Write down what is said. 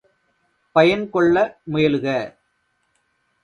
பயன் கொள்ள முயலுக.